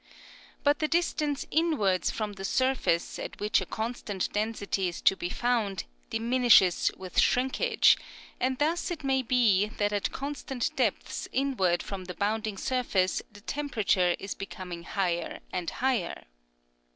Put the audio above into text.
But the distance inwards from the surface at which a constant density is to be found diminishes with shrinkage, and thus it may be that at constant depths inward from the bounding surface the temperature is becoming higher and higher.